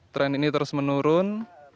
tren ini terus menurun